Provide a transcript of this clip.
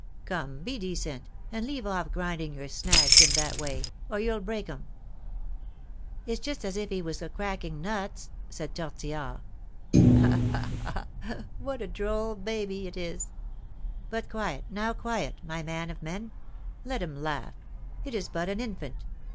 Come, be decent, and leave off grinding your 'snags' in that way, or you'll break 'em." "It's just as if he was a cracking nuts," said Tortillard. "Ha! ha! ha! what a droll baby it is! But quiet, now, quiet, my man of men; let him laugh, it is but an infant.